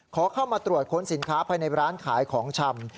ขอเข้ามาตรวจค้นสินค้าภายในร้านขายของชำ